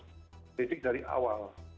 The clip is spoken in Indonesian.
kritik dari awal